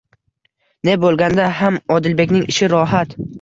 Ne bo'lganda ham Odilbekning ishi rohat.